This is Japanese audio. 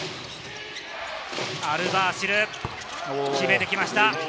アルバーシル、決めてきました！